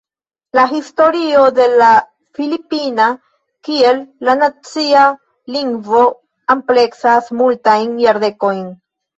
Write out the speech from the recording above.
La historio de la Filipina kiel la nacia lingvo ampleksas multajn jardekojn.